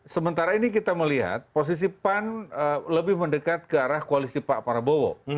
sementara ini kita melihat posisi pan lebih mendekat ke arah koalisi pak prabowo